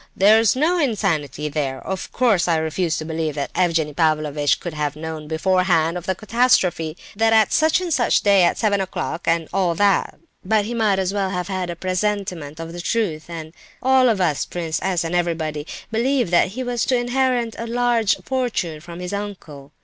there's no insanity there! Of course I refuse to believe that Evgenie Pavlovitch could have known beforehand of the catastrophe; that is, that at such and such a day at seven o'clock, and all that; but he might well have had a presentiment of the truth. And I—all of us—Prince S. and everybody, believed that he was to inherit a large fortune from this uncle.